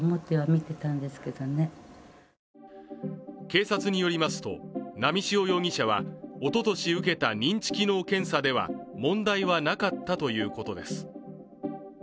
警察によりますと波汐容疑者はおととし受けた認知機能検査では問題はなかったということです。